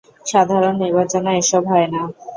সাধারন নির্বাচনে এসব হয় না?